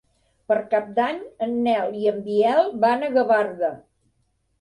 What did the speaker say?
Per Cap d'Any en Nel i en Biel van a Gavarda.